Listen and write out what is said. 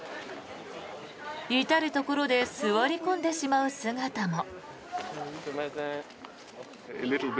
至るところで座り込んでしまう姿も。